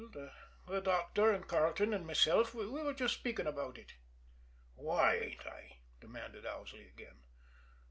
"The doctor and Carleton and myself we were just speaking about it." "Why ain't I?" demanded Owsley again.